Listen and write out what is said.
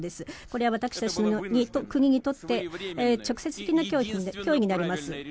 これは私たちの国にとって直接的な脅威になります。